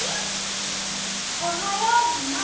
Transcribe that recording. おはようみんな。